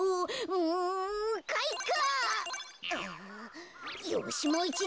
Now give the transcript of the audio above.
うんかいか！